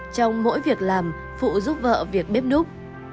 trong mỗi việc làm phụ giúp vợ việc bếp núc